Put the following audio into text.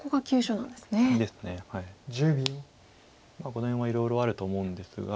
この辺はいろいろあると思うんですが。